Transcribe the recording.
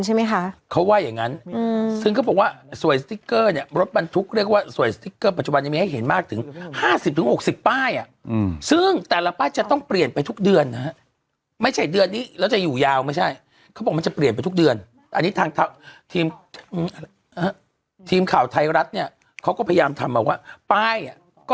ใช่ไหมคะเขาว่าอย่างงั้นอืมซึ่งเขาบอกว่าสวยสติ๊กเกอร์เนี่ยรถบรรทุกเรียกว่าสวยสติ๊กเกอร์ปัจจุบันยังมีให้เห็นมากถึงห้าสิบถึงหกสิบป้ายอ่ะซึ่งแต่ละป้ายจะต้องเปลี่ยนไปทุกเดือนนะฮะไม่ใช่เดือนนี้แล้วจะอยู่ยาวไม่ใช่เขาบอกมันจะเปลี่ยนไปทุกเดือนอันนี้ทางทีมทีมข่าวไทยรัฐเนี่ยเขาก็พยายามทำมาว่าป้ายอ่ะก็